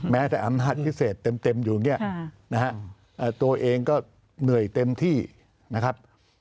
แม้แต่อำนาจพิเศษเต็มอยู่อย่างนี้นะฮะตัวเองก็เหนื่อยเต็มที่นะครับ